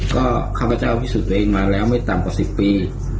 ก็ข้าพเจ้าพิสูจน์ตัวเองมาแล้วไม่ต่ำกว่า๑๐ปี